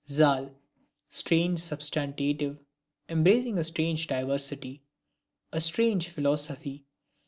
ZAL! Strange substantive, embracing a strange diversity, a strange philosophy!